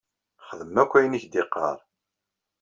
Xdem akk ayen i k-d-yeqqar.